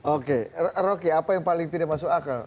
oke rocky apa yang paling tidak masuk akal